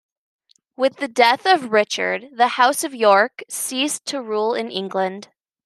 With the death of Richard, the House of York ceased to rule in England.